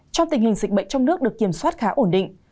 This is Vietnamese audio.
trong tình hình dịch bệnh trong nước được kiểm soát khá ổn định